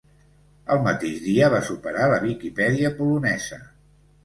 El mateix dia, va superar la Viquipèdia polonesa.